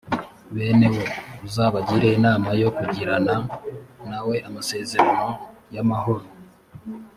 bene wo uzabagire inama yo kugirana nawe amasezerano y’amahoro.